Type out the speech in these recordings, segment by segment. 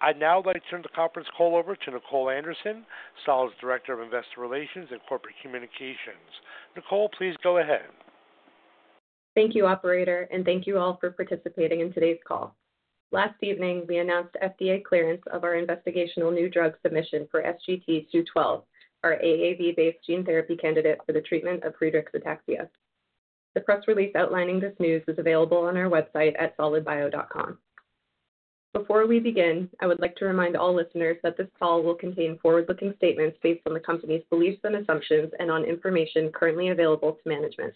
I'd now like to turn the conference call over to Nicole Anderson, Solid director of investor relations and corporate communications. Nicole, please go ahead. Thank you, Operator, and thank you all for participating in today's call. Last evening, we announced FDA clearance of our investigational new drug submission for SGT-212, our AAV-based gene therapy candidate for the treatment of Friedreich's ataxia. The press release outlining this news is available on our website at solidbio.com. Before we begin, I would like to remind all listeners that this call will contain forward-looking statements based on the company's beliefs and assumptions and on information currently available to management.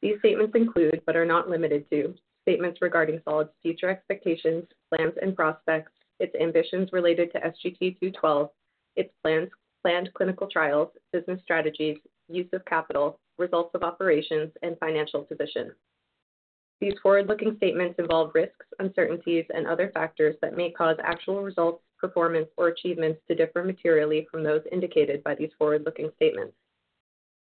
These statements include, but are not limited to, statements regarding Solid's future expectations, plans and prospects, its ambitions related to SGT-212, its planned clinical trials, business strategies, use of capital, results of operations, and financial position. These forward-looking statements involve risks, uncertainties, and other factors that may cause actual results, performance, or achievements to differ materially from those indicated by these forward-looking statements.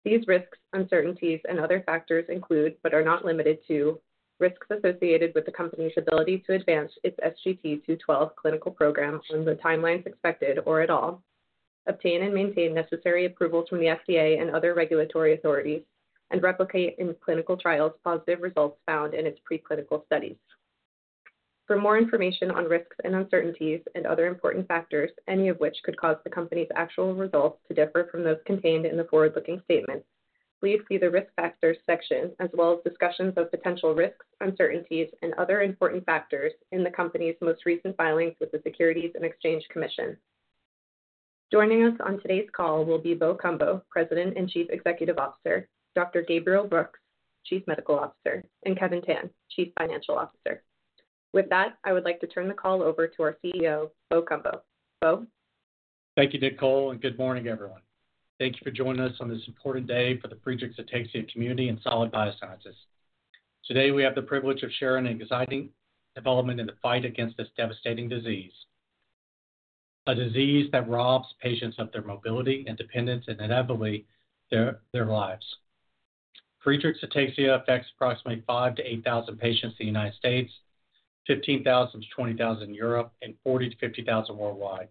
These risks, uncertainties, and other factors include, but are not limited to, risks associated with the company's ability to advance its SGT-212 clinical program on the timelines expected or at all, obtain and maintain necessary approvals from the FDA and other regulatory authorities, and replicate in clinical trials positive results found in its preclinical studies. For more information on risks and uncertainties and other important factors, any of which could cause the company's actual results to differ from those contained in the forward-looking statement, please see the risk factors section, as well as discussions of potential risks, uncertainties, and other important factors in the company's most recent filings with the Securities and Exchange Commission. Joining us on today's call will be Bo Cumbo, President and Chief Executive Officer, Dr. Gabriel Brooks, Chief Medical Officer, and Kevin Tan, Chief Financial Officer. With that, I would like to turn the call over to our CEO, Bo Cumbo. Bo? Thank you, Nicole, and good morning, everyone. Thank you for joining us on this important day for the Friedreich's ataxia community and Solid Biosciences. Today, we have the privilege of sharing an exciting development in the fight against this devastating disease, a disease that robs patients of their mobility and independence and inevitably their lives. Friedreich's ataxia affects approximately 5,000-8,000 patients in the United States, 15,000-20,000 in Europe, and 40,000-50,000 worldwide.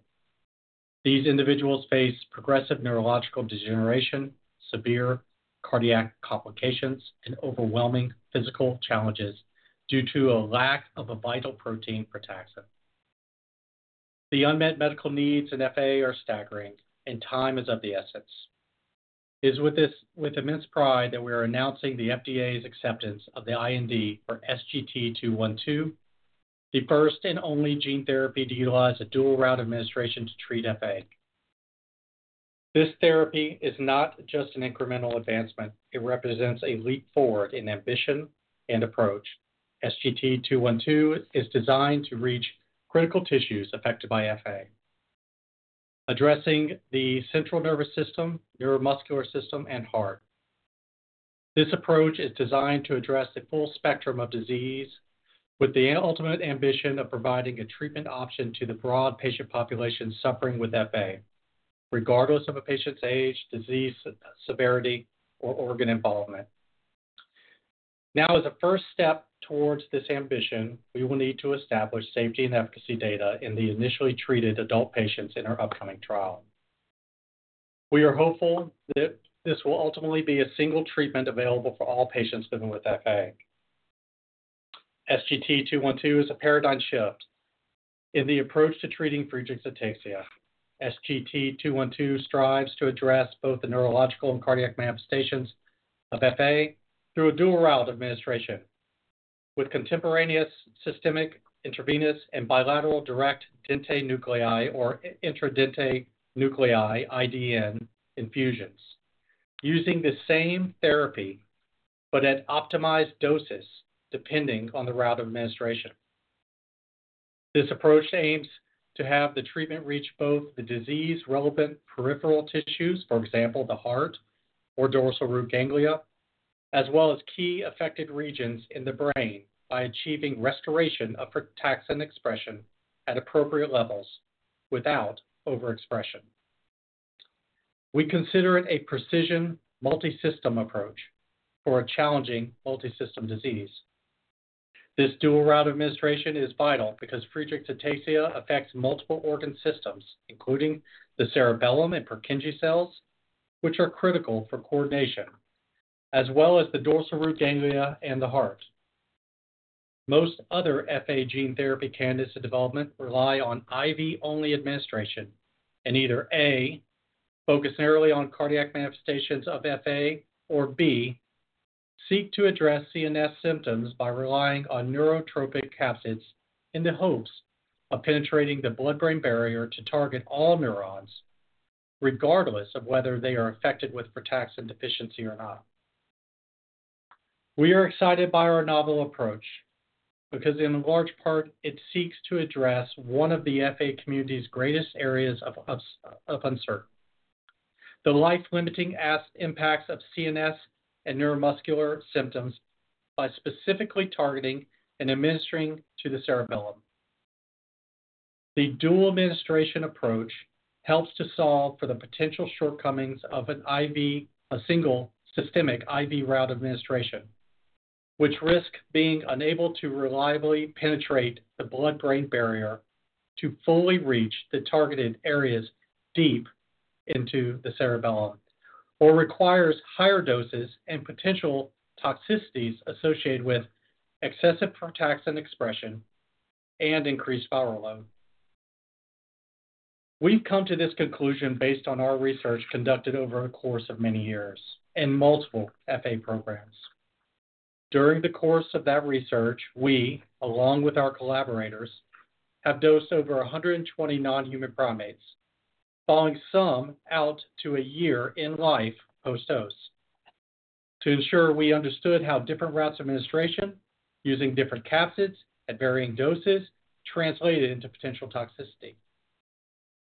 These individuals face progressive neurological degeneration, severe cardiac complications, and overwhelming physical challenges due to a lack of a vital protein, frataxin. The unmet medical needs in FA are staggering, and time is of the essence. It is with immense pride that we are announcing the FDA's acceptance of the IND for SGT-212, the first and only gene therapy to utilize a dual route administration to treat FA. This therapy is not just an incremental advancement. It represents a leap forward in ambition and approach. SGT-212 is designed to reach critical tissues affected by FA, addressing the central nervous system, neuromuscular system, and heart. This approach is designed to address the full spectrum of disease with the ultimate ambition of providing a treatment option to the broad patient population suffering with FA, regardless of a patient's age, disease severity, or organ involvement. Now, as a first step towards this ambition, we will need to establish safety and efficacy data in the initially treated adult patients in our upcoming trial. We are hopeful that this will ultimately be a single treatment available for all patients living with FA. SGT-212 is a paradigm shift in the approach to treating Friedreich's ataxia. SGT-212 strives to address both the neurological and cardiac manifestations of FA through a dual-route administration with contemporaneous systemic intravenous and bilateral direct dentate nuclei, or intradentate nuclei, IDN infusions, using the same therapy but at optimized doses depending on the route of administration. This approach aims to have the treatment reach both the disease-relevant peripheral tissues, for example, the heart or dorsal root ganglia, as well as key affected regions in the brain by achieving restoration of frataxin expression at appropriate levels without overexpression. We consider it a precision multi-system approach for a challenging multi-system disease. This dual-route administration is vital because Friedreich's ataxia affects multiple organ systems, including the cerebellum and Purkinje cells, which are critical for coordination, as well as the dorsal root ganglia and the heart. Most other FA gene therapy candidates in development rely on IV-only administration and either A, focus narrowly on cardiac manifestations of FA, or B, seek to address CNS symptoms by relying on neurotrophic capsids in the hopes of penetrating the blood-brain barrier to target all neurons, regardless of whether they are affected with frataxin deficiency or not. We are excited by our novel approach because, in large part, it seeks to address one of the FA community's greatest areas of uncertainty: the life-limiting impacts of CNS and neuromuscular symptoms by specifically targeting and administering to the cerebellum. The dual-administration approach helps to solve for the potential shortcomings of a single systemic IV route administration, which risks being unable to reliably penetrate the blood-brain barrier to fully reach the targeted areas deep into the cerebellum, or requires higher doses and potential toxicities associated with excessive frataxin expression and increased viral load. We've come to this conclusion based on our research conducted over the course of many years in multiple FA programs. During the course of that research, we, along with our collaborators, have dosed over 120 non-human primates, following some out to a year in life post-dose, to ensure we understood how different routes of administration, using different capsids at varying doses, translated into potential toxicity.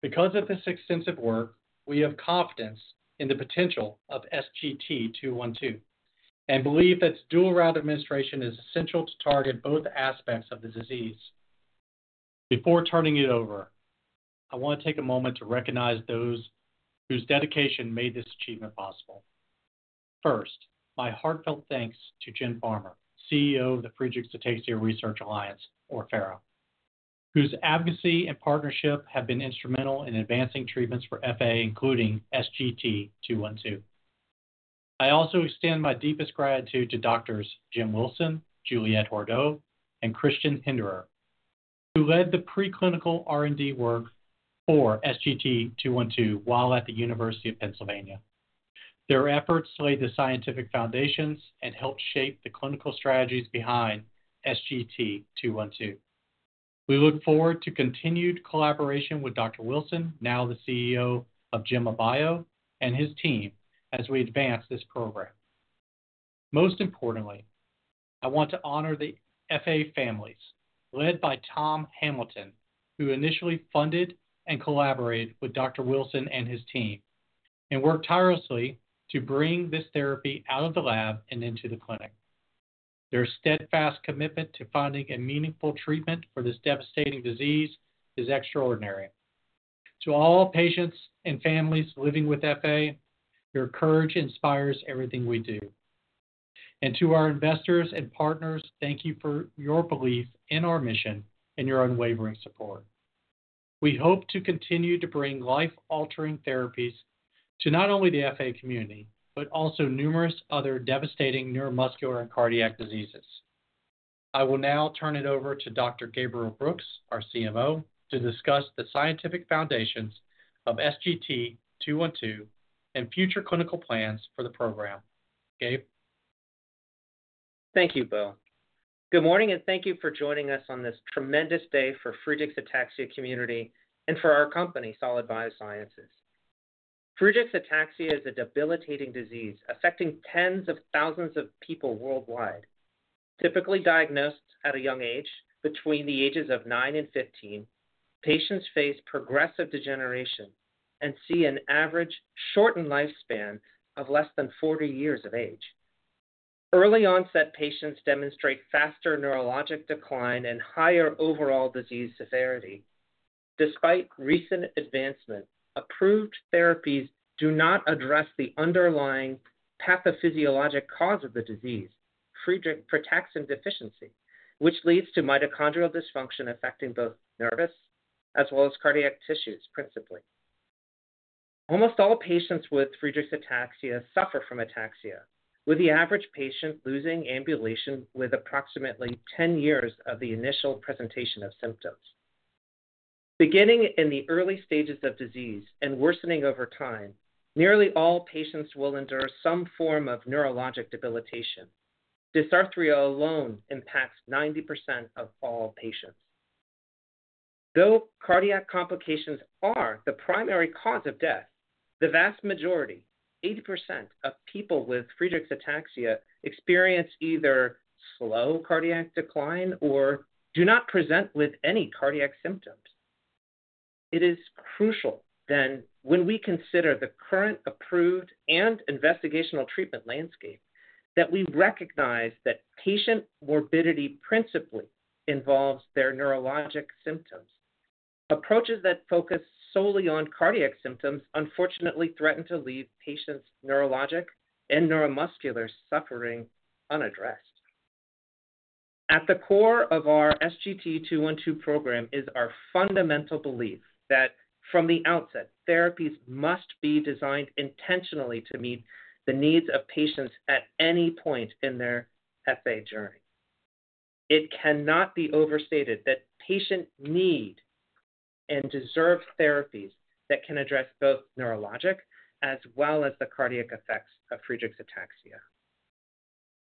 Because of this extensive work, we have confidence in the potential of SGT-212 and believe that dual-route administration is essential to target both aspects of the disease. Before turning it over, I want to take a moment to recognize those whose dedication made this achievement possible. First, my heartfelt thanks to Jen Farmer, CEO of the Friedreich's Ataxia Research Alliance, or FARA, whose advocacy and partnership have been instrumental in advancing treatments for FA, including SGT-212. I also extend my deepest gratitude to Doctors Jim Wilson, Juliette Hordeaux, and Christian Hinderer, who led the preclinical R&D work for SGT-212 while at the University of Pennsylvania. Their efforts laid the scientific foundations and helped shape the clinical strategies behind SGT-212. We look forward to continued collaboration with Dr. Wilson, now the CEO of Gemma Biotherapeutics, and his team as we advance this program. Most importantly, I want to honor the FARA families, led by Tom Hamilton, who initially funded and collaborated with Dr. Wilson and his team, and worked tirelessly to bring this therapy out of the lab and into the clinic. Their steadfast commitment to finding a meaningful treatment for this devastating disease is extraordinary. To all patients and families living with FA, your courage inspires everything we do. And to our investors and partners, thank you for your belief in our mission and your unwavering support. We hope to continue to bring life-altering therapies to not only the FA community but also numerous other devastating neuromuscular and cardiac diseases. I will now turn it over to Dr. Gabriel Brooks, our CMO, to discuss the scientific foundations of SGT-212 and future clinical plans for the program. Gabe? Thank you, Bo. Good morning, and thank you for joining us on this tremendous day for Friedreich's ataxia community and for our company, Solid Biosciences. Friedreich's ataxia is a debilitating disease affecting tens of thousands of people worldwide. Typically diagnosed at a young age, between the ages of nine and 15, patients face progressive degeneration and see an average shortened lifespan of less than 40 years of age. Early-onset patients demonstrate faster neurologic decline and higher overall disease severity. Despite recent advancement, approved therapies do not address the underlying pathophysiologic cause of the disease, Friedreich's frataxin deficiency, which leads to mitochondrial dysfunction affecting both nervous as well as cardiac tissues principally. Almost all patients with Friedreich's ataxia suffer from ataxia, with the average patient losing ambulation with approximately 10 years of the initial presentation of symptoms. Beginning in the early stages of disease and worsening over time, nearly all patients will endure some form of neurologic debilitation. Dysarthria alone impacts 90% of all patients. Though cardiac complications are the primary cause of death, the vast majority, 80% of people with Friedreich's ataxia, experience either slow cardiac decline or do not present with any cardiac symptoms. It is crucial, then, when we consider the current approved and investigational treatment landscape, that we recognize that patient morbidity principally involves their neurologic symptoms. Approaches that focus solely on cardiac symptoms unfortunately threaten to leave patients' neurologic and neuromuscular suffering unaddressed. At the core of our SGT-212 program is our fundamental belief that, from the outset, therapies must be designed intentionally to meet the needs of patients at any point in their FA journey. It cannot be overstated that patients need and deserve therapies that can address both neurologic as well as the cardiac effects of Friedreich's ataxia.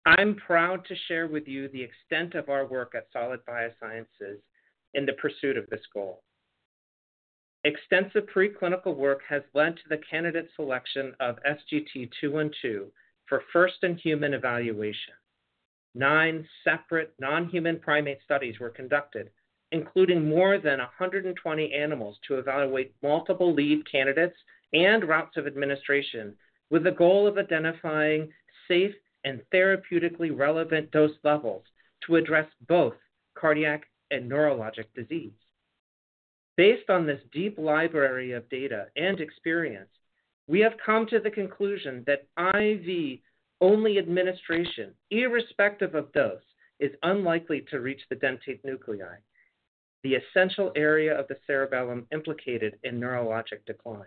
I'm proud to share with you the extent of our work at Solid Biosciences in the pursuit of this goal. Extensive preclinical work has led to the candidate selection of SGT-212 for first-in-human evaluation. Nine separate non-human primate studies were conducted, including more than 120 animals, to evaluate multiple lead candidates and routes of administration with the goal of identifying safe and therapeutically relevant dose levels to address both cardiac and neurologic disease. Based on this deep library of data and experience, we have come to the conclusion that IV-only administration, irrespective of dose, is unlikely to reach the dentate nuclei, the essential area of the cerebellum implicated in neurologic decline.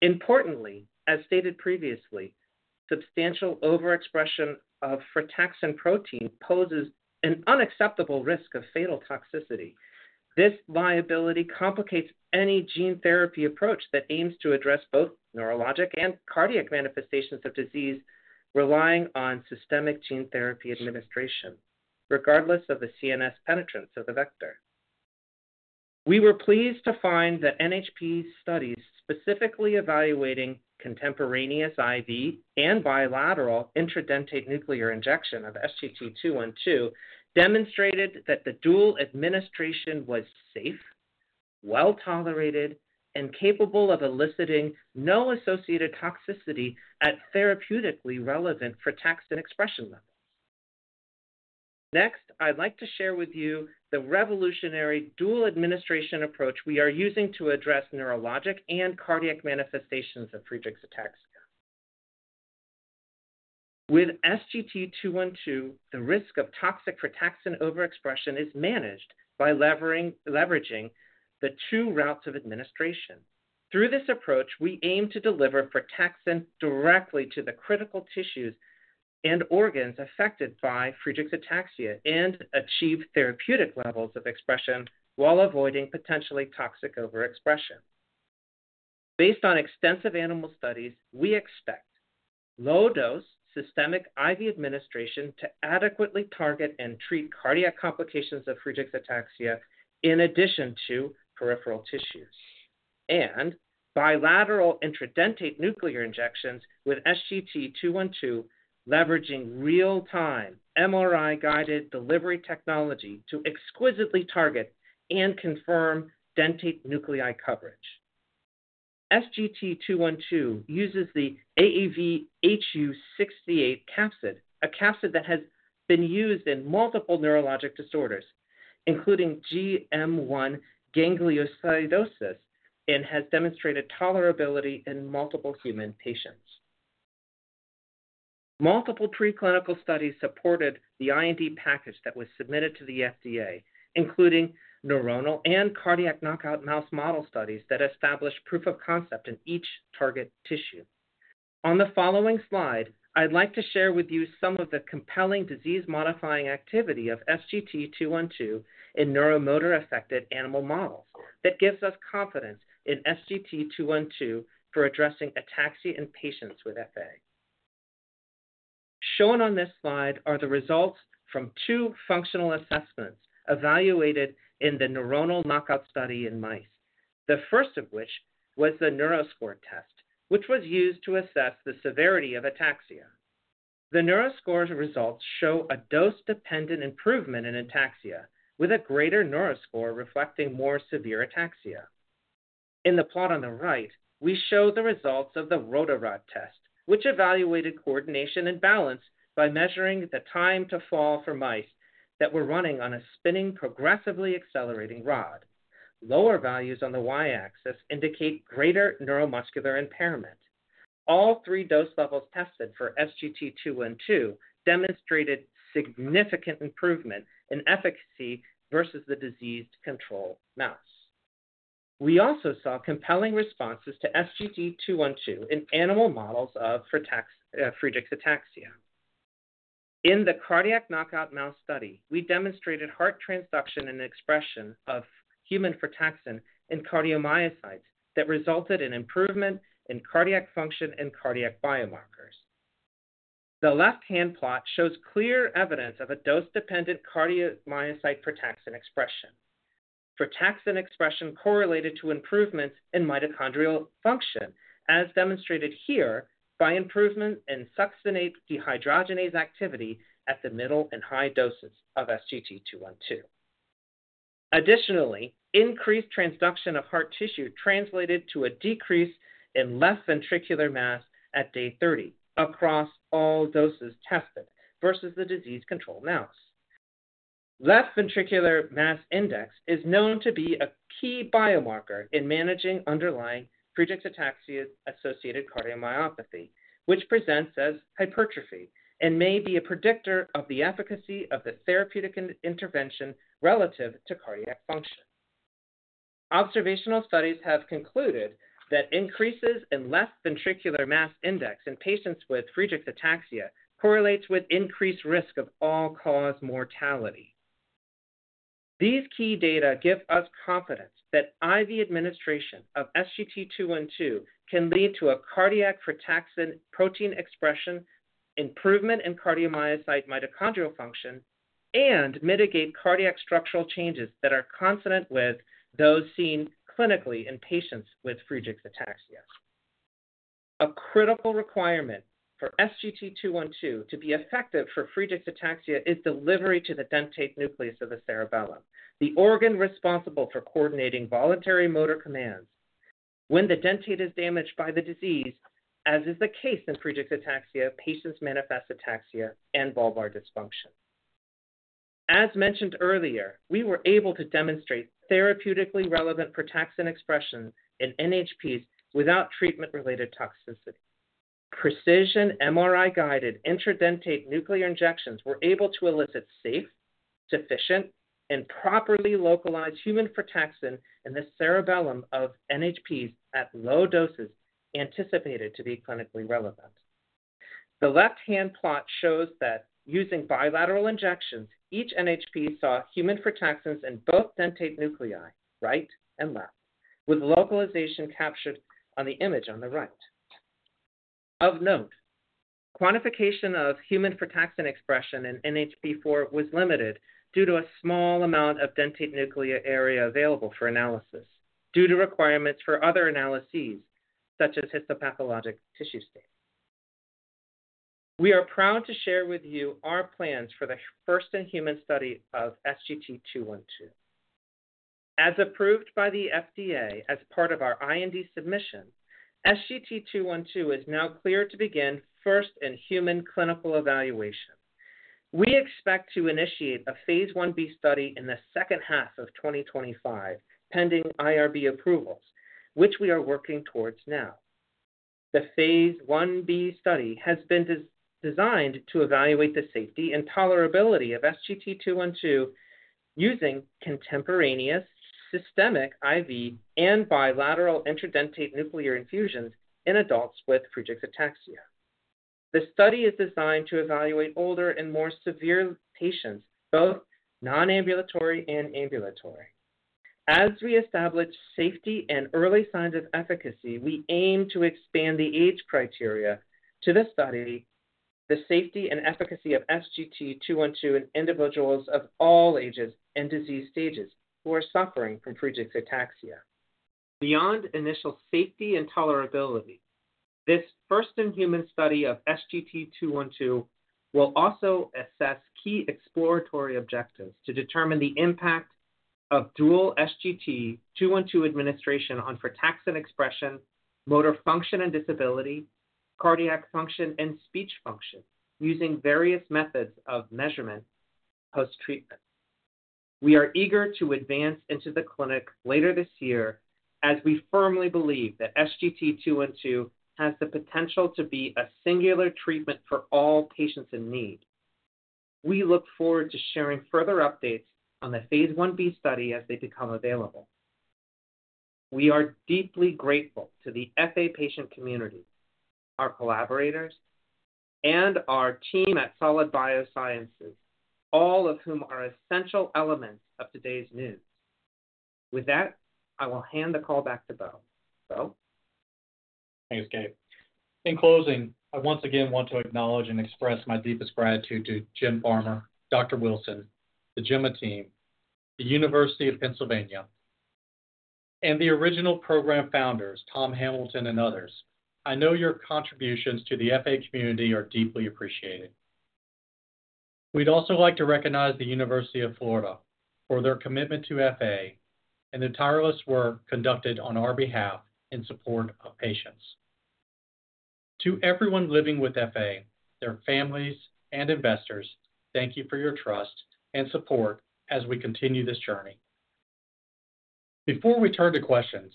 Importantly, as stated previously, substantial overexpression of frataxin poses an unacceptable risk of fatal toxicity. This liability complicates any gene therapy approach that aims to address both neurologic and cardiac manifestations of disease, relying on systemic gene therapy administration, regardless of the CNS penetrance of the vector. We were pleased to find that NHP studies specifically evaluating contemporaneous IV and bilateral intradentate nuclear injection of SGT-212 demonstrated that the dual administration was safe, well-tolerated, and capable of eliciting no associated toxicity at therapeutically relevant frataxin expression levels. Next, I'd like to share with you the revolutionary dual administration approach we are using to address neurologic and cardiac manifestations of Friedreich's ataxia. With SGT-212, the risk of toxic frataxin overexpression is managed by leveraging the two routes of administration. Through this approach, we aim to deliver frataxin directly to the critical tissues and organs affected by Friedreich's ataxia and achieve therapeutic levels of expression while avoiding potentially toxic overexpression. Based on extensive animal studies, we expect low-dose systemic IV administration to adequately target and treat cardiac complications of Friedreich's ataxia in addition to peripheral tissues, and bilateral intradentate nuclear injections with SGT-212, leveraging real-time MRI-guided delivery technology to exquisitely target and confirm dentate nuclei coverage. SGT-212 uses the AAVhu68 capsid, a capsid that has been used in multiple neurologic disorders, including GM1 gangliosidosis, and has demonstrated tolerability in multiple human patients. Multiple preclinical studies supported the IND package that was submitted to the FDA, including neuronal and cardiac knockout mouse model studies that established proof of concept in each target tissue. On the following slide, I'd like to share with you some of the compelling disease-modifying activity of SGT-212 in neuromotor-affected animal models that gives us confidence in SGT-212 for addressing ataxia in patients with FA. Shown on this slide are the results from two functional assessments evaluated in the neuronal knockout study in mice, the first of which was the NeuroScore test, which was used to assess the severity of ataxia. The NeuroScore results show a dose-dependent improvement in ataxia, with a greater NeuroScore reflecting more severe ataxia. In the plot on the right, we show the results of the Rotarod test, which evaluated coordination and balance by measuring the time to fall for mice that were running on a spinning, progressively accelerating rod. Lower values on the Y-axis indicate greater neuromuscular impairment. All three dose levels tested for SGT-212 demonstrated significant improvement in efficacy versus the disease-controlled mouse. We also saw compelling responses to SGT-212 in animal models of Friedreich's ataxia. In the cardiac knockout mouse study, we demonstrated heart transduction and expression of human frataxin in cardiomyocytes that resulted in improvement in cardiac function and cardiac biomarkers. The left-hand plot shows clear evidence of a dose-dependent cardiomyocyte frataxin expression. Frataxin expression correlated to improvements in mitochondrial function, as demonstrated here by improvement in succinate dehydrogenase activity at the middle and high doses of SGT-212. Additionally, increased transduction of heart tissue translated to a decrease in left ventricular mass at day 30 across all doses tested versus the disease-controlled mouse. Left ventricular mass index is known to be a key biomarker in managing underlying Friedreich's ataxia-associated cardiomyopathy, which presents as hypertrophy and may be a predictor of the efficacy of the therapeutic intervention relative to cardiac function. Observational studies have concluded that increases in left ventricular mass index in patients with Friedreich's ataxia correlate with increased risk of all-cause mortality. These key data give us confidence that IV administration of SGT-212 can lead to a cardiac frataxin protein expression, improvement in cardiomyocyte mitochondrial function, and mitigate cardiac structural changes that are consonant with those seen clinically in patients with Friedreich's ataxia. A critical requirement for SGT-212 to be effective for Friedreich's ataxia is delivery to the dentate nucleus of the cerebellum, the organ responsible for coordinating voluntary motor commands. When the dentate is damaged by the disease, as is the case in Friedreich's ataxia, patients manifest ataxia and bulbar dysfunction. As mentioned earlier, we were able to demonstrate therapeutically relevant frataxin expression in NHPs without treatment-related toxicity. Precision MRI-guided intradentate nuclear injections were able to elicit safe, sufficient, and properly localized frataxin expression in the cerebellum of NHPs at low doses anticipated to be clinically relevant. The left-hand plot shows that using bilateral injections, each NHP saw frataxin expressions in both dentate nuclei, right and left, with localization captured on the image on the right. Of note, quantification of frataxin expression in NHP4 was limited due to a small amount of dentate nuclei area available for analysis due to requirements for other analyses, such as histopathologic tissue state. We are proud to share with you our plans for the first-in-human study of SGT-212. As approved by the FDA as part of our IND submission, SGT-212 is now clear to begin first-in-human clinical evaluation. We expect to initiate a phase 1b study in the second half of 2025, pending IRB approvals, which we are working towards now. The phase 1b study has been designed to evaluate the safety and tolerability of SGT-212 using contemporaneous systemic IV and bilateral intradentate nuclear infusions in adults with Friedreich's ataxia. The study is designed to evaluate older and more severe patients, both non-ambulatory and ambulatory. As we establish safety and early signs of efficacy, we aim to expand the age criteria to the study of the safety and efficacy of SGT-212 in individuals of all ages and disease stages who are suffering from Friedreich's ataxia. Beyond initial safety and tolerability, this first-in-human study of SGT-212 will also assess key exploratory objectives to determine the impact of dual SGT-212 administration on frataxin expression, motor function and disability, cardiac function, and speech function using various methods of measurement post-treatment. We are eager to advance into the clinic later this year as we firmly believe that SGT-212 has the potential to be a singular treatment for all patients in need. We look forward to sharing further updates on the phase 1b study as they become available. We are deeply grateful to the FARA patient community, our collaborators, and our team at Solid Biosciences, all of whom are essential elements of today's news. With that, I will hand the call back to Bo. Bo. Thanks, Gabe. In closing, I once again want to acknowledge and express my deepest gratitude to Jen Farmer, Dr. Wilson, the Gemma team, the University of Pennsylvania, and the original program founders, Tom Hamilton and others. I know your contributions to the FARA community are deeply appreciated. We'd also like to recognize the University of Florida for their commitment to FA and the tireless work conducted on our behalf in support of patients. To everyone living with FA, their families, and investors, thank you for your trust and support as we continue this journey. Before we turn to questions,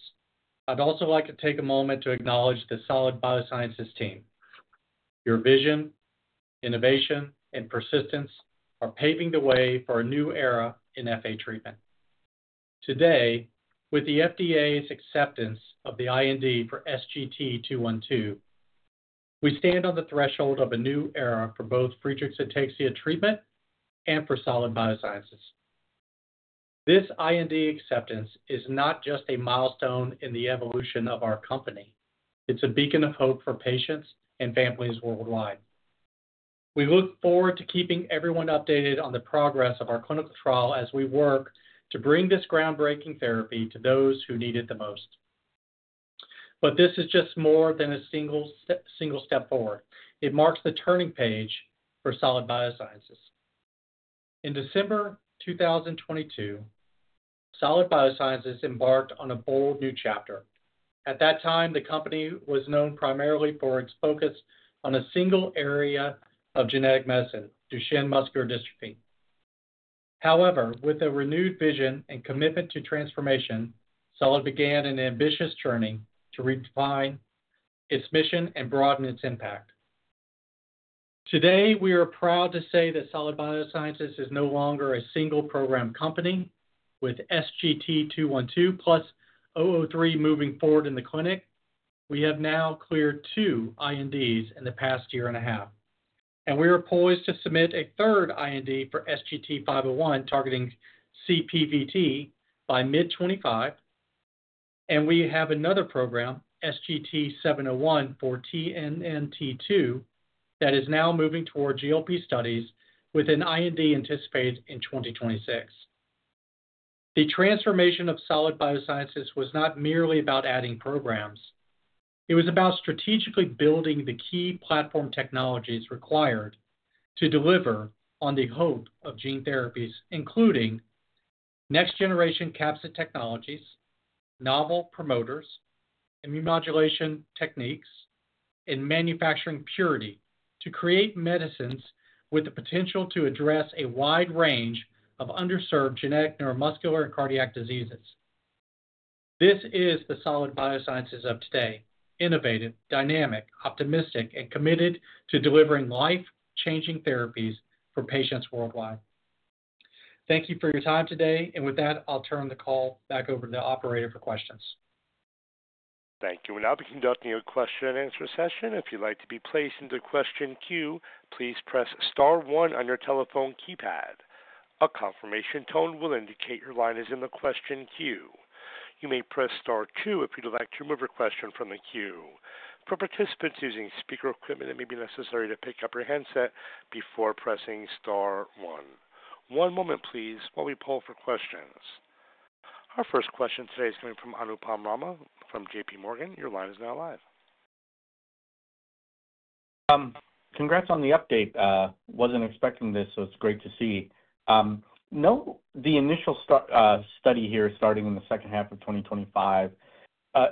I'd also like to take a moment to acknowledge the Solid Biosciences team. Your vision, innovation, and persistence are paving the way for a new era in FA treatment. Today, with the FDA's acceptance of the IND for SGT-212, we stand on the threshold of a new era for both Friedreich's ataxia treatment and for Solid Biosciences. This IND acceptance is not just a milestone in the evolution of our company. It's a beacon of hope for patients and families worldwide. We look forward to keeping everyone updated on the progress of our clinical trial as we work to bring this groundbreaking therapy to those who need it the most. But this is just more than a single step forward. It marks the turning page for Solid Biosciences. In December 2022, Solid Biosciences embarked on a bold new chapter. At that time, the company was known primarily for its focus on a single area of genetic medicine, Duchenne muscular dystrophy. However, with a renewed vision and commitment to transformation, Solid began an ambitious journey to redefine its mission and broaden its impact. Today, we are proud to say that Solid Biosciences is no longer a single program company. With SGT-212 plus SGT-003 moving forward in the clinic, we have now cleared two INDs in the past year and a half, and we are poised to submit a third IND for SGT-501 targeting CPVT by mid-2025, and we have another program, SGT-701 for TNNT2, that is now moving toward GLP studies with an IND anticipated in 2026. The transformation of Solid Biosciences was not merely about adding programs. It was about strategically building the key platform technologies required to deliver on the hope of gene therapies, including next-generation capsid technologies, novel promoters, immune modulation techniques, and manufacturing purity to create medicines with the potential to address a wide range of underserved genetic neuromuscular and cardiac diseases. This is the Solid Biosciences of today: innovative, dynamic, optimistic, and committed to delivering life-changing therapies for patients worldwide. Thank you for your time today. And with that, I'll turn the call back over to the operator for questions. Thank you. We'll now be conducting a question-and-answer session. If you'd like to be placed into question queue, please press Star 1 on your telephone keypad. A confirmation tone will indicate your line is in the question queue. You may press Star 2 if you'd like to remove your question from the queue. For participants using speaker equipment, it may be necessary to pick up your handset before pressing Star 1. One moment, please, while we pull for questions. Our first question today is coming from Anupam Rama from J.P. Morgan. Your line is now live. Congrats on the update. Wasn't expecting this, so it's great to see. The initial study here starting in the second half of 2025.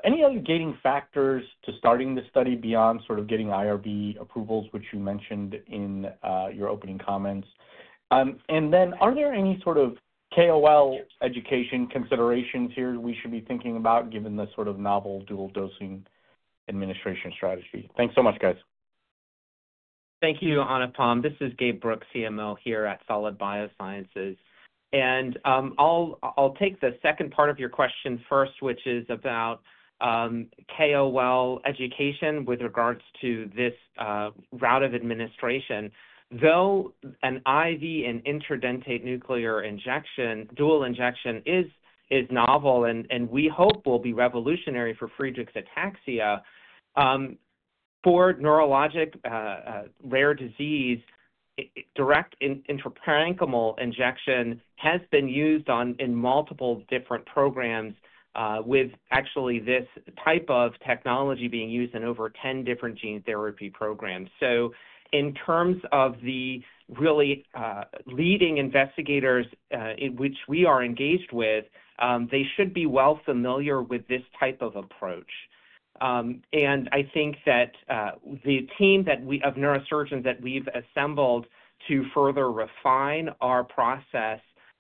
Any other gating factors to starting the study beyond sort of getting IRB approvals, which you mentioned in your opening comments? And then are there any sort of KOL education considerations here we should be thinking about given the sort of novel dual dosing administration strategy? Thanks so much, guys. Thank you, Anupam. This is Gabe Brooks, CMO here at Solid Biosciences. And I'll take the second part of your question first, which is about KOL education with regards to this route of administration. Though an IV and intradentate nuclear injection, dual injection is novel, and we hope will be revolutionary for Friedreich's ataxia. For neurologic rare disease, direct intraparenchymal injection has been used in multiple different programs, with actually this type of technology being used in over 10 different gene therapy programs. So in terms of the really leading investigators in which we are engaged with, they should be well familiar with this type of approach. And I think that the team of neurosurgeons that we've assembled to further refine our process,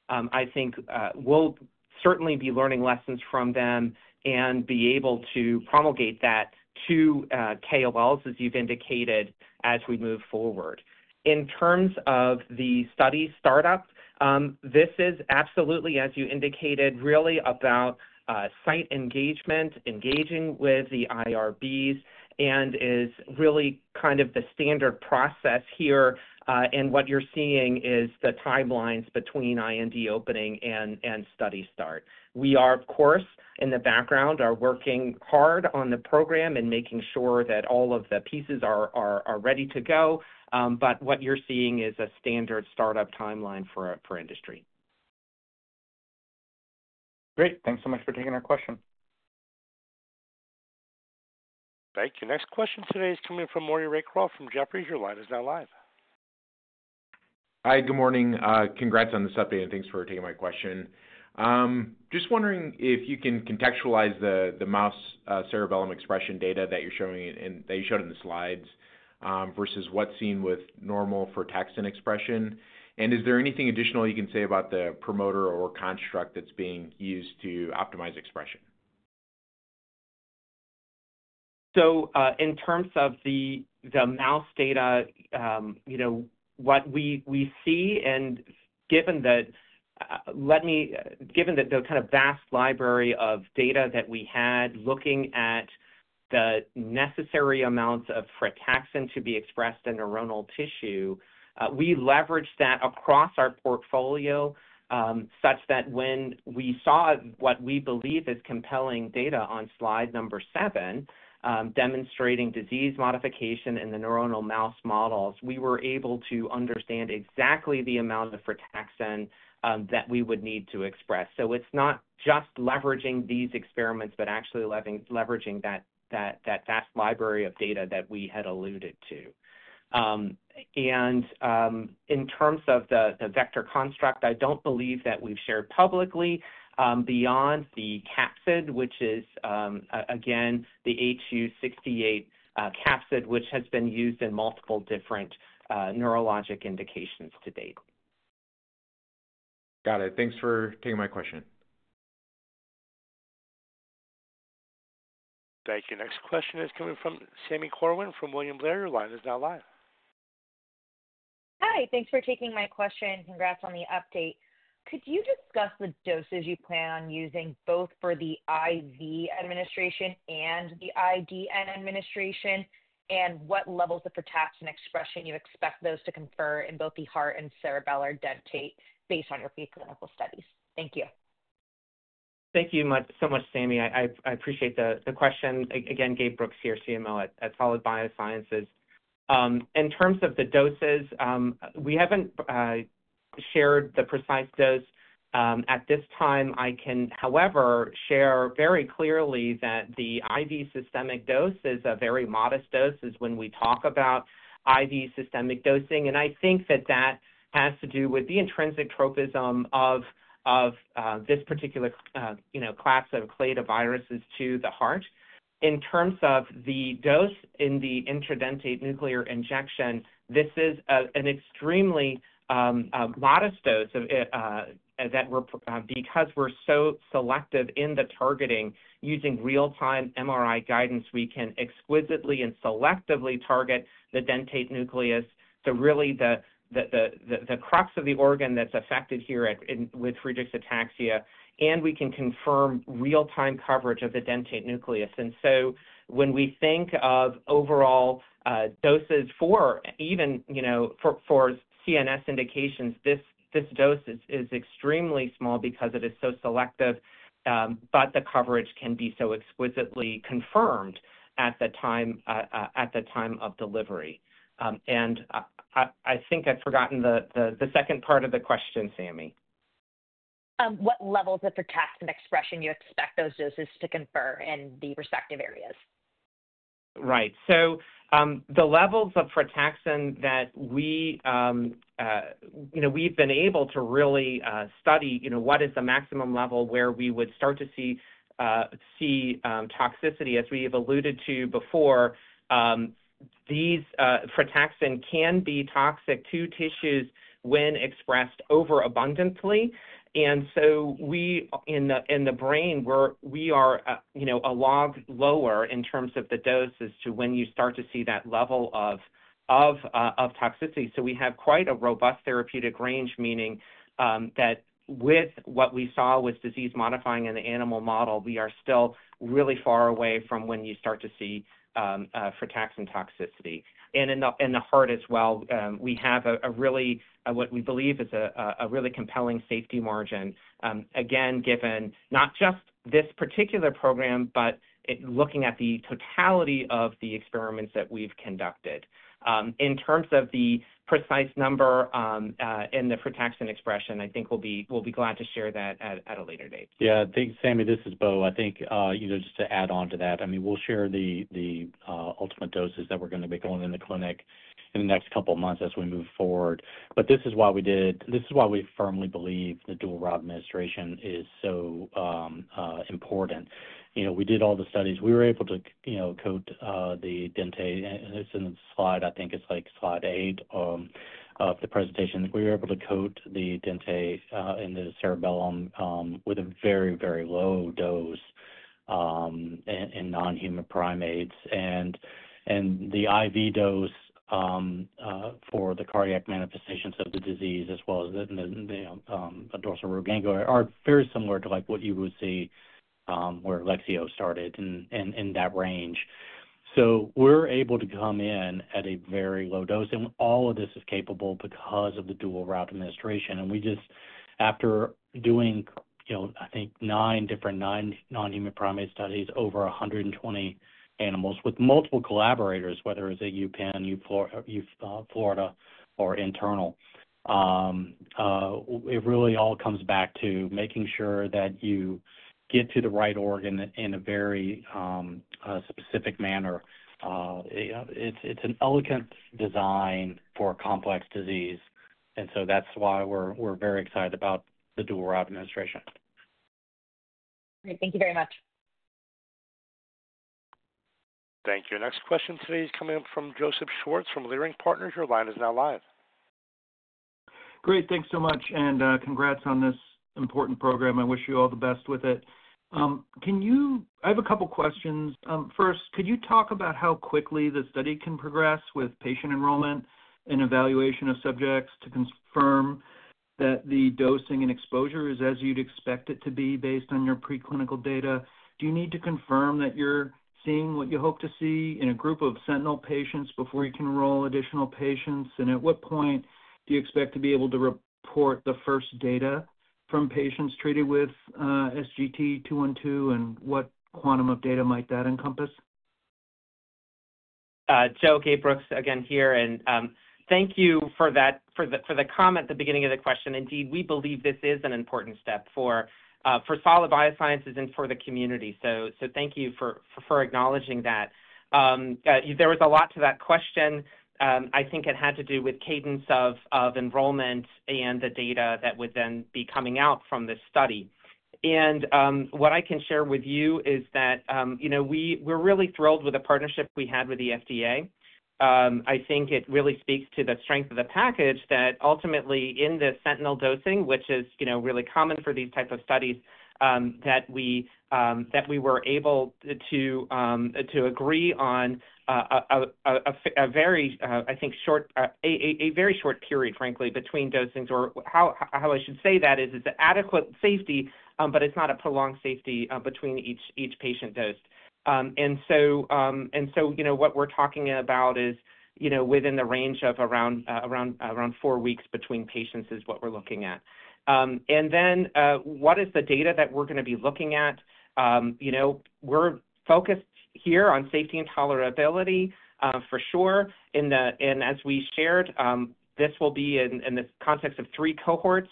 I think we'll certainly be learning lessons from them and be able to promulgate that to KOLs, as you've indicated, as we move forward. In terms of the study startup, this is absolutely, as you indicated, really about site engagement, engaging with the IRBs, and is really kind of the standard process here. And what you're seeing is the timelines between IND opening and study start. We are, of course, in the background, working hard on the program and making sure that all of the pieces are ready to go. But what you're seeing is a standard startup timeline for industry. Great. Thanks so much for taking our question. Thank you. Next question today is coming from Maury Raycroft from Jefferies. Your line is now live. Hi. Good morning. Congrats on this update, and thanks for taking my question. Just wondering if you can contextualize the mouse cerebellum expression data that you're showing that you showed in the slides versus what's seen with normal frataxin expression. And is there anything additional you can say about the promoter or construct that's being used to optimize expression? So in terms of the mouse data, what we see, and given that the kind of vast library of data that we had looking at the necessary amounts of frataxin to be expressed in neuronal tissue, we leveraged that across our portfolio such that when we saw what we believe is compelling data on slide number seven, demonstrating disease modification in the neuronal mouse models, we were able to understand exactly the amount of frataxin that we would need to express. So it's not just leveraging these experiments, but actually leveraging that vast library of data that we had alluded to. And in terms of the vector construct, I don't believe that we've shared publicly beyond the capsid, which is, again, the HU68 capsid, which has been used in multiple different neurologic indications to date. Got it. Thanks for taking my question. Thank you. Next question is coming from Sami Corwin from William Blair. Your line is now live. Hi. Thanks for taking my question. Congrats on the update. Could you discuss the doses you plan on using both for the IV administration and the ID administration, and what levels of frataxin expression you expect those to confer in both the heart and cerebellar dentate based on your preclinical studies? Thank you. Thank you so much, Sami. I appreciate the question. Again, Gabe Brooks here, CMO at Solid Biosciences. In terms of the doses, we haven't shared the precise dose at this time. I can, however, share very clearly that the IV systemic dose is a very modest dose when we talk about IV systemic dosing, and I think that that has to do with the intrinsic tropism of this particular class of clade of viruses to the heart. In terms of the dose in the intradentate nuclear injection, this is an extremely modest dose that, because we're so selective in the targeting using real-time MRI guidance, we can exquisitely and selectively target the dentate nucleus, so really the crux of the organ that's affected here with Friedreich's ataxia, and we can confirm real-time coverage of the dentate nucleus. And so when we think of overall doses for even for CNS indications, this dose is extremely small because it is so selective, but the coverage can be so exquisitely confirmed at the time of delivery. And I think I've forgotten the second part of the question, Sami. What levels of frataxin expression you expect those doses to confer in the respective areas? Right. So the levels of frataxin that we've been able to really study, what is the maximum level where we would start to see toxicity, as we have alluded to before, these proteins can be toxic to tissues when expressed overabundantly. And so in the brain, we are a log lower in terms of the doses to when you start to see that level of toxicity. So we have quite a robust therapeutic range, meaning that with what we saw with disease-modifying in the animal model, we are still really far away from when you start to see protein toxicity. And in the heart as well, we have what we believe is a really compelling safety margin, again, given not just this particular program, but looking at the totality of the experiments that we've conducted. In terms of the precise number and the protein expression, I think we'll be glad to share that at a later date. Yeah. Thanks, Sami. This is Bo. I think just to add on to that, I mean, we'll share the ultimate doses that we're going to be going in the clinic in the next couple of months as we move forward. But this is why we did this is why we firmly believe the dual route administration is so important. We did all the studies. We were able to coat the dentate, it's in the slide, I think it's like slide eight of the presentation, we were able to coat the dentate in the cerebellum with a very, very low dose in non-human primates. And the IV dose for the cardiac manifestations of the disease, as well as the dorsal root ganglia, are very similar to what you would see where Lexeo started in that range. So we're able to come in at a very low dose. And all of this is capable because of the dual route administration. And we just, after doing, I think, nine different non-human primate studies over 120 animals with multiple collaborators, whether it's at UPenn, UF, Florida, or internal, it really all comes back to making sure that you get to the right organ in a very specific manner. It's an elegant design for a complex disease. And so that's why we're very excited about the dual route administration. Great. Thank you very much. Thank you. Next question today is coming up from Joseph Schwartz from Leerink Partners. Your line is now live. Great. Thanks so much. Congrats on this important program. I wish you all the best with it. I have a couple of questions. First, could you talk about how quickly the study can progress with patient enrollment and evaluation of subjects to confirm that the dosing and exposure is as you'd expect it to be based on your preclinical data? Do you need to confirm that you're seeing what you hope to see in a group of sentinel patients before you can enroll additional patients? At what point do you expect to be able to report the first data from patients treated with SGT-212, and what quantum of data might that encompass? Gabe Brooks, again here. Thank you for the comment at the beginning of the question. Indeed, we believe this is an important step for Solid Biosciences and for the community. Thank you for acknowledging that. There was a lot to that question. I think it had to do with cadence of enrollment and the data that would then be coming out from this study, and what I can share with you is that we're really thrilled with the partnership we had with the FDA. I think it really speaks to the strength of the package that ultimately, in the sentinel dosing, which is really common for these types of studies, that we were able to agree on a very short period, frankly, between dosings. Or how I should say that is, it's an adequate safety, but it's not a prolonged safety between each patient dosed, and so what we're talking about is within the range of around four weeks between patients is what we're looking at, and then what is the data that we're going to be looking at? We're focused here on safety and tolerability, for sure, and as we shared, this will be in the context of three cohorts,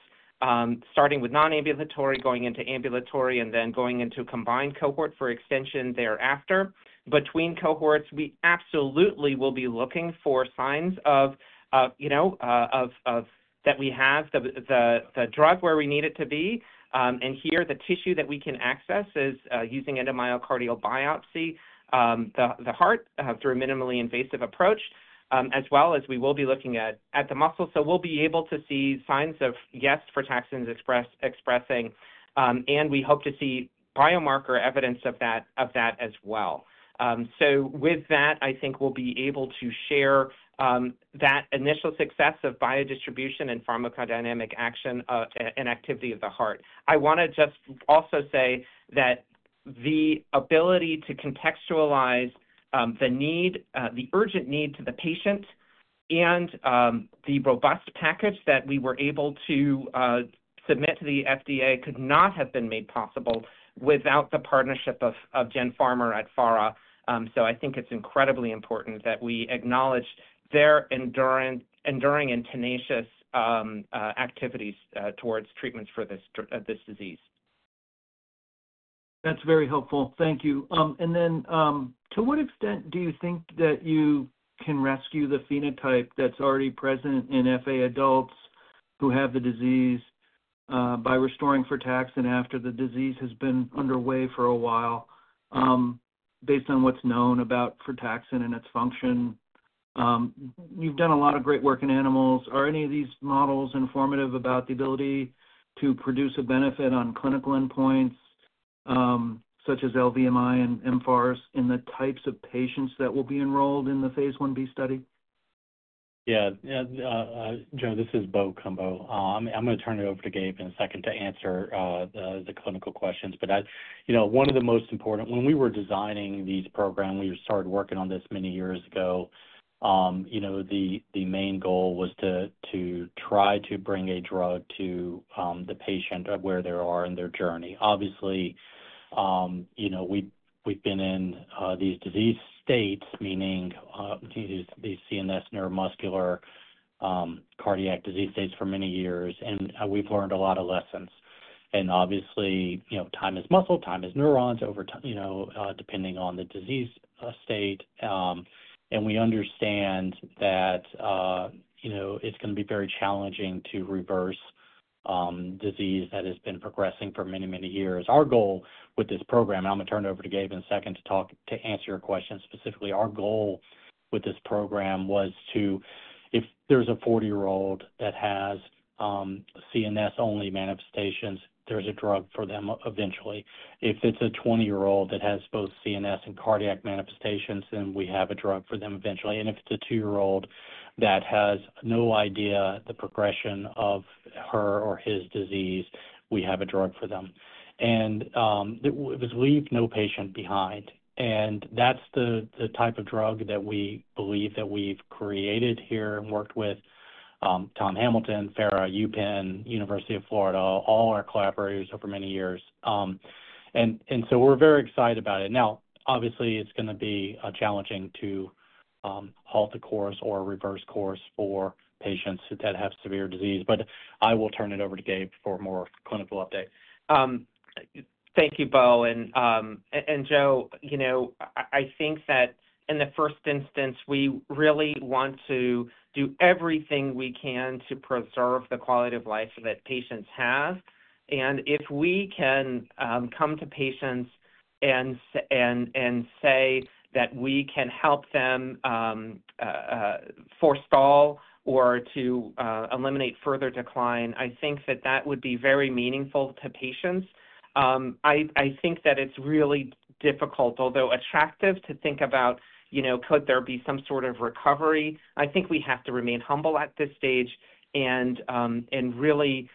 starting with non-ambulatory, going into ambulatory, and then going into a combined cohort for extension thereafter. Between cohorts, we absolutely will be looking for signs of that we have the drug where we need it to be, and here, the tissue that we can access is using endomyocardial biopsy, the heart through a minimally invasive approach, as well as we will be looking at the muscle, so we'll be able to see signs of, yes, Frataxin expressing, and we hope to see biomarker evidence of that as well, so with that, I think we'll be able to share that initial success of biodistribution and pharmacodynamic action and activity of the heart. I want to just also say that the ability to contextualize the urgent need to the patient and the robust package that we were able to submit to the FDA could not have been made possible without the partnership of Jen Farmer at FARA. So I think it's incredibly important that we acknowledge their enduring and tenacious activities towards treatments for this disease. That's very helpful. Thank you. And then to what extent do you think that you can rescue the phenotype that's already present in FA adults who have the disease by restoring frataxin after the disease has been underway for a while based on what's known about frataxin and its function? You've done a lot of great work in animals. Are any of these models informative about the ability to produce a benefit on clinical endpoints such as LVMI and mFARS in the types of patients that will be enrolled in the phase 1B study? Yeah. This is Bo Cumbo. I'm going to turn it over to Gabe in a second to answer the clinical questions. But one of the most important, when we were designing these programs, we started working on this many years ago. The main goal was to try to bring a drug to the patient where they are in their journey. Obviously, we've been in these disease states, meaning these CNS neuromuscular cardiac disease states for many years, and we've learned a lot of lessons. And obviously, time is muscle. Time is neurons depending on the disease state. We understand that it's going to be very challenging to reverse disease that has been progressing for many, many years. Our goal with this program, and I'm going to turn it over to Gabe in a second to answer your question specifically. Our goal with this program was to if there's a 40-year-old that has CNS-only manifestations, there's a drug for them eventually. If it's a 20-year-old that has both CNS and cardiac manifestations, then we have a drug for them eventually. And if it's a two-year-old that has no idea the progression of her or his disease, we have a drug for them. And we've left no patient behind. And that's the type of drug that we believe that we've created here and worked with Tom Hamilton, FARA, UPenn, University of Florida, all our collaborators over many years. And so we're very excited about it. Now, obviously, it's going to be challenging to halt the course or reverse course for patients that have severe disease. But I will turn it over to Gabe for more clinical update. Thank you, Bo. And Joe, I think that in the first instance, we really want to do everything we can to preserve the quality of life that patients have. And if we can come to patients and say that we can help them forestall or to eliminate further decline, I think that that would be very meaningful to patients. I think that it's really difficult, although attractive, to think about could there be some sort of recovery. I think we have to remain humble at this stage and really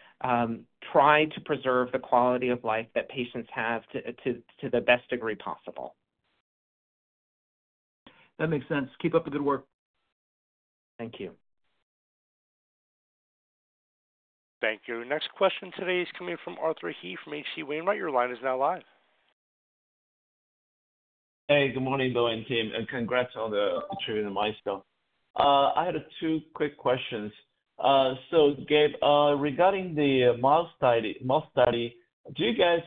try to preserve the quality of life that patients have to the best degree possible. That makes sense. Keep up the good work. Thank you. Thank you. Next question today is coming from Arthur He from H.C. Wainwright. Your line is now live. Hey, good morning, Bo and team. And congrats on the treatment milestone. I had two quick questions. So, Gabe, regarding the mouse study, do you guys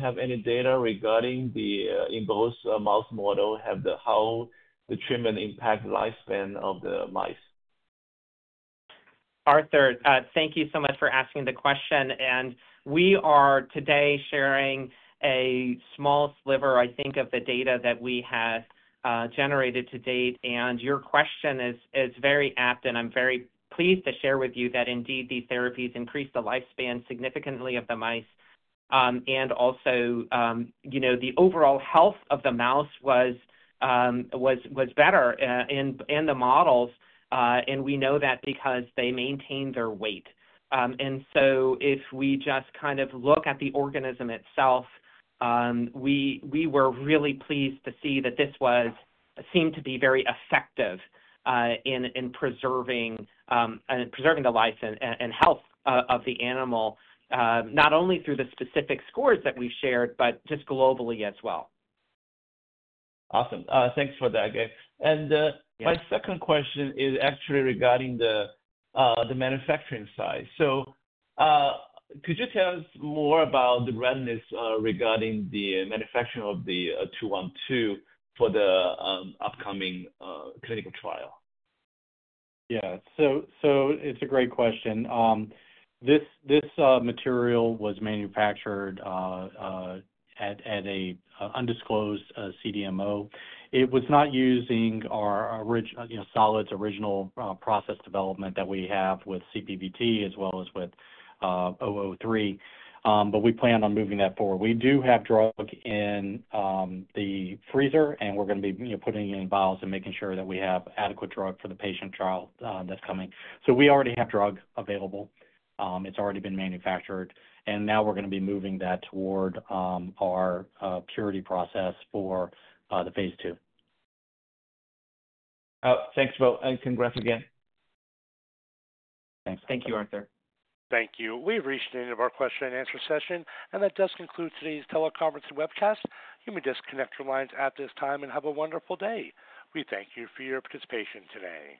have any data regarding the in-group mouse model? How the treatment impacted lifespan of the mice? Arthur, thank you so much for asking the question. And we are today sharing a small sliver, I think, of the data that we have generated to date. And your question is very apt. And I'm very pleased to share with you that indeed, these therapies increased the lifespan significantly of the mice. And also, the overall health of the mouse was better in the models. And we know that because they maintain their weight. And so if we just kind of look at the organism itself, we were really pleased to see that this seemed to be very effective in preserving the life and health of the animal, not only through the specific scores that we've shared, but just globally as well. Awesome. Thanks for that, Gabe. And my second question is actually regarding the manufacturing side. So could you tell us more about the readiness regarding the manufacturing of the 212 for the upcoming clinical trial? Yeah. So it's a great question. This material was manufactured at an undisclosed CDMO. It was not using Solid's original process development that we have with CPVT as well as with 003. But we plan on moving that forward. We do have drug in the freezer, and we're going to be putting it in vials and making sure that we have adequate drug for the patient trial that's coming. So we already have drug available. It's already been manufactured. And now we're going to be moving that toward our purification process for the phase II. Thanks, Bo. And congrats again. Thanks. Thank you, Arthur. Thank you. We've reached the end of our question-and-answer session. And that does conclude today's teleconference and webcast. You may disconnect your lines at this time and have a wonderful day. We thank you for your participation today.